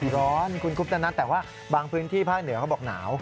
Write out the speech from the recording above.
ร้อนคุณคุปตะนัทแต่ว่าบางพื้นที่ภาคเหนือเขาบอกหนาว